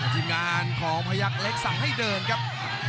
ทีมงานของพยักษ์เล็กสั่งให้เดินครับ